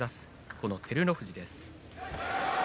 この照ノ富士です。